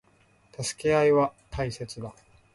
助け合いは大切だ。